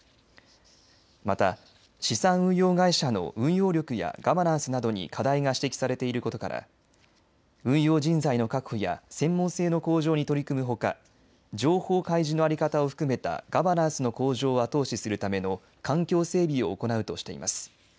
また、資産運用会社の運用力やガバナンスなどに課題が指摘されていることから運用人材の確保や専門性の向上に取り組むほか情報開示の在り方を含めたガバナンスの向上を後押しするための環境整備を行うとしています。